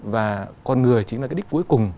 và con người chính là cái đích cuối cùng